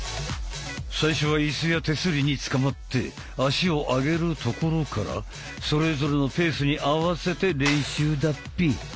最初は椅子や手すりにつかまって足を上げるところからそれぞれのペースに合わせて練習だっぴ！